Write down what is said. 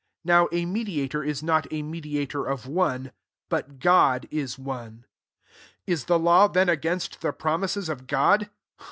20 Now a mediator S not a mediator of one; but Bk>d is one. 21 la the law then against He promises of God